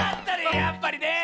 やっぱりね！